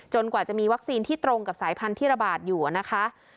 กว่าจะมีวัคซีนที่ตรงกับสายพันธุ์ที่ระบาดอยู่นะคะ